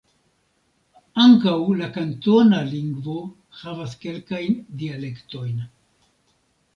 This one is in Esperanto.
Ankaŭ la kantona lingvo havas kelkajn dialektojn.